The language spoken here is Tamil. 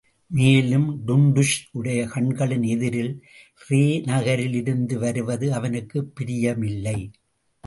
மேலும், டுன்டுஷ் உடைய கண்களின் எதிரில் ரே நகரில் இருந்து வருவது அவனுக்குப் பிரியமில்லை.